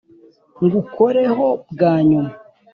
ngukoreho bwa nyuma